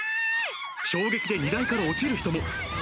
衝撃で荷台から落ちる人も。